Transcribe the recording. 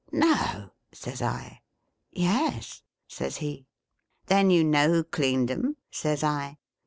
' No T says I. ' Yes,' says he. ' Then you know who cleaned 'em T says I.